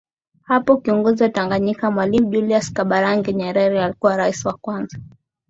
Hapo kiongozi wa Tanganyika Mwalimu Julius Kambarage Nyerere alikuwa Rais wa kwanza